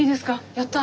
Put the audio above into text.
やった！